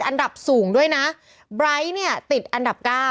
๒หนุ่มไทยที่ติดอันดับนะคะ